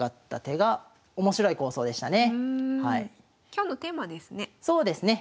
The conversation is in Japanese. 今日のテーマですね。